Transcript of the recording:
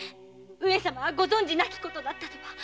上様はご存じなき事だったとは。